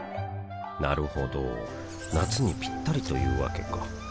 なるほど夏にピッタリというわけか